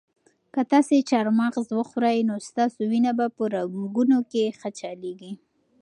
که تاسي چهارمغز وخورئ نو ستاسو وینه به په رګونو کې ښه چلیږي.